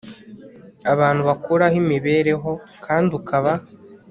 abantu bakuraho imibereho kandi ukaba